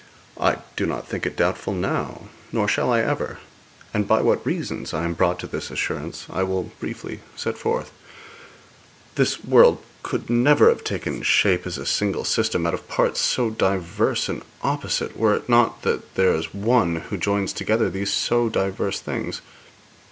'I do not think it doubtful now, nor shall I ever; and by what reasons I am brought to this assurance I will briefly set forth. This world could never have taken shape as a single system out of parts so diverse and opposite were it not that there is One who joins together these so diverse things.